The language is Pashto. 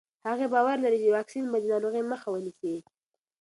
هغې باور لري چې واکسین به د ناروغۍ مخه ونیسي.